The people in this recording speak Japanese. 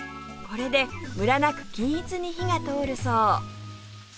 これでムラなく均一に火が通るそう